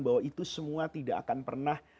bahwa itu semua tidak akan pernah